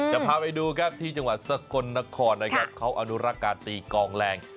จะพาไปดูครับที่จังหวัดสกลนครนะครับเขาอนุรักษ์การตีกองแรง